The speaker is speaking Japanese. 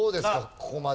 ここまで。